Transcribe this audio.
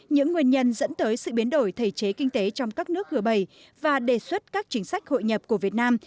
những nguyên nhân dẫn tới sự biến đổi thể chế kinh tế trong các nước g bảy và đề xuất các chính sách hội nhập của việt nam